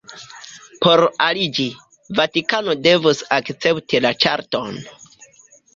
Por aliĝi, Vatikano devus akcepti la ĉarton.